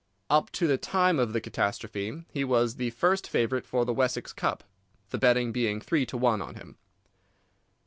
Up to the time of the catastrophe he was the first favourite for the Wessex Cup, the betting being three to one on him.